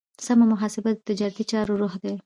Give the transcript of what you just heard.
سمه محاسبه د تجارتي چارو روح دی.